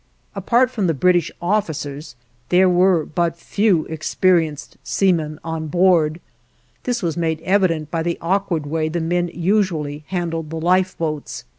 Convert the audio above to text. Apart from the British officers there were but few experienced seamen on board. This was made evident by the awkward way the men usually handled the lifeboats.